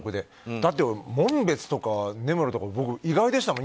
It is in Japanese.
だって、紋別とか根室とか意外でしたもん。